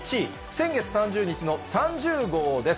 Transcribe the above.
先月３０日の３０号です。